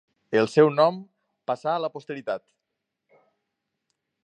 El seu nom passà a la posteritat.